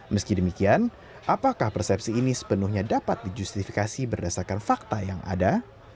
meski demikian apakah persepsi ini sepenuhnya dapat dijustifikasi berdasarkan fakta yang ada